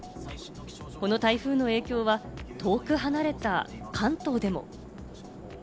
この台風の影響は遠く離れた関東でも。